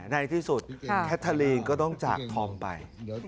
ในที่สุดแคทาลีนก็ต้องจากทอมไป